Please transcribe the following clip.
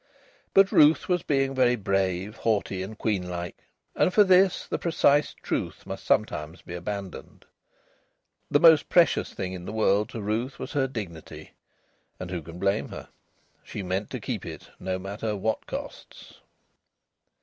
But Ruth was being very brave, haughty, and queenlike, and for this the precise truth must sometimes be abandoned. The most precious thing in the world to Ruth was her dignity and who can blame her? She meant to keep it at no matter what costs.